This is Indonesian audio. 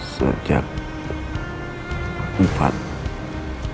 sejak empat tahun lalu